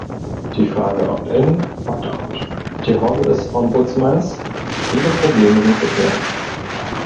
Die Frage opt-in, opt-out, die Rolle des Ombudsmanns viele Probleme sind zu klären.